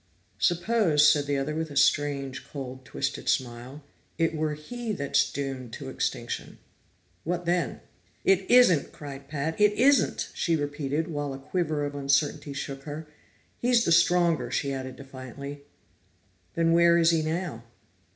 "Suppose," said the other with a strange, cold, twisted smile, "it were he that's doomed to extinction what then?" "It isn't!" cried Pat. "It isn't!" she repeated, while a quiver of uncertainty shook her. "He's the stronger," she said defiantly. "Then where is he now?"